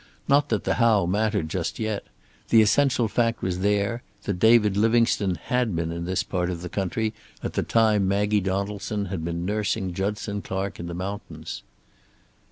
Not that the how mattered just yet. The essential fact was there, that David Livingstone had been in this part of the country at the time Maggie Donaldson had been nursing Judson Clark in the mountains.